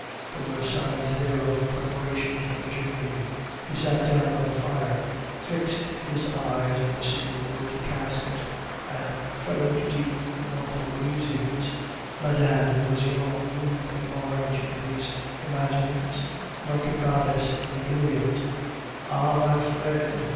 There were signs there of preparations for a journey. He sat down by the fire, fixed his eyes on the cedar wood casket, and fell into deep mournful musings. Mme. de Beauseant loomed large in these imaginings, like a goddess in the Iliad. "Ah! my friend!..."